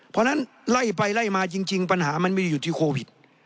เพราะฉะนั้นไล่ไปไล่มาจริงปัญหามันไม่ได้อยู่ที่โควิด